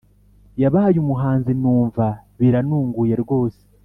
Yabaye umuhanzi numva biranunguye rwose